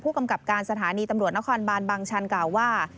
กำกับการสถานีตำรวจนครบานบางชันกล่าวว่า